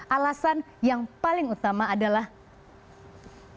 alasan yang paling utama adalah